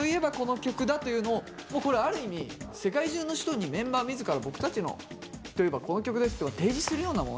この曲だというのをこれある意味世界中の人にメンバー自ら僕たちといえばこの曲ですと提示するようなもの。